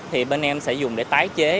thì bên em sẽ dùng để tái chế